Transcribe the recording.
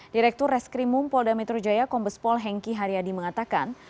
direktur reskrimum polda metro jaya kombespol hengki haryadi mengatakan